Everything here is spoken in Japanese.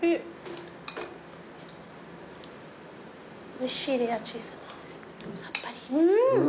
おいしいレアチーズ。さっぱり。